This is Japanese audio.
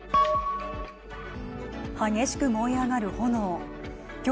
激しく燃え上がる炎の今日